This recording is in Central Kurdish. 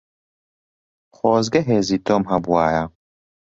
خۆزگە هێزی تۆم هەبوایە.